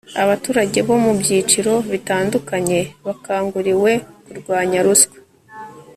abaturage bo mu byiciro bitandukanye bakanguriwe kurwanya ruswa